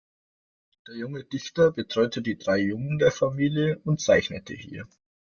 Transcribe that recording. Der junge Dichter betreute die drei Jungen der Familie und zeichnete hier.